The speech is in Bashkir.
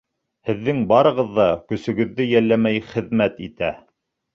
Һеҙҙең барығыҙ ҙа көсөгөҙҙө йәлләмәй хеҙмәт итә.